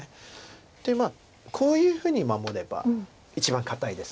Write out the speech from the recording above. でこういうふうに守れば一番堅いです。